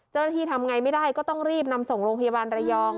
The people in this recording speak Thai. ทำไงไม่ได้ก็ต้องรีบนำส่งโรงพยาบาลระยอง